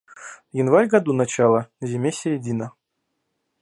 Январь - году начало, зиме середина.